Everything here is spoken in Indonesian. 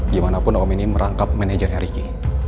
gimanapun om ini merangkap manajernya ricky